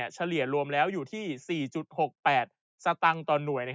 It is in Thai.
เฉลี่ยรวมแล้วอยู่ที่๔๖๘สตางค์ต่อหน่วย